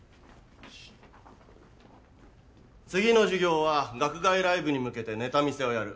次の授業は学外ライブに向けてネタ見せをやる。